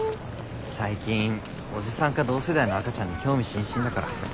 最近おじさんか同世代の赤ちゃんに興味津々だから。